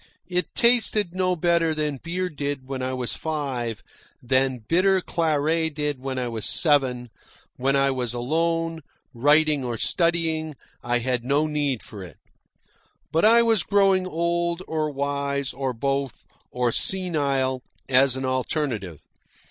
It tasted no better than beer did when I was five, than bitter claret did when I was seven. When I was alone, writing or studying, I had no need for it. But I was growing old, or wise, or both, or senile as an alternative.